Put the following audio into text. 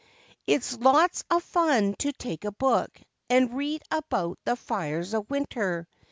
It's lots of fun to take a book and read about the fires of winter.